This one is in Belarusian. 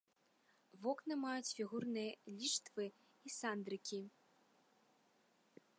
Вокны маюць фігурныя ліштвы і сандрыкі.